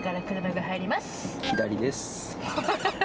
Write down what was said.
左です。